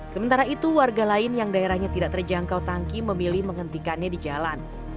sementara itu warga lain yang daerahnya tidak terjangkau tangki memilih menghentikannya di jalan